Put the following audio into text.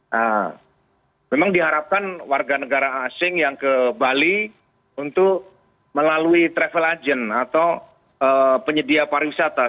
nah memang diharapkan warga negara asing yang ke bali untuk melalui travel agent atau penyedia pariwisata